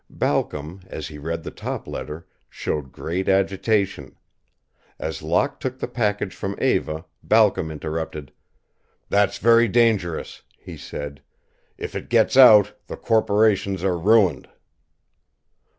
Balcom, as he read the top letter, showed great agitation. As Locke took the package from Eva, Balcom interrupted: "That's very dangerous," he said. "If it gets out, the corporations are ruined."